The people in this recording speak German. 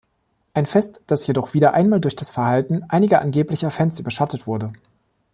Ein Fest, das jedoch wieder einmal durch das Verhalten einiger angeblicher Fans überschattet wurde.